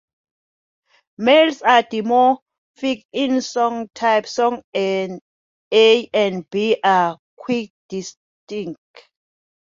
Males are dimorphic in song type: songs A and B are quite distinct.